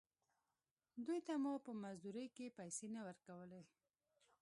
دوې ته مو په مزدورۍ کښې پيسې نه ورکولې.